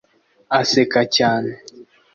Aseka cyane